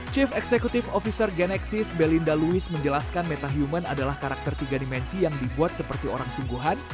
chief executive officer genexis belinda louis menjelaskan metahuman adalah karakter tiga dimensi yang dibuat seperti orang sungguhan